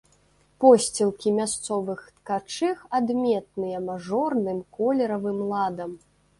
Посцілкі мясцовых ткачых адметныя мажорным колеравым ладам.